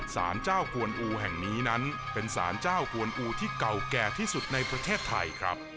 สารเจ้ากวนอูแห่งนี้นั้นเป็นสารเจ้ากวนอูที่เก่าแก่ที่สุดในประเทศไทยครับ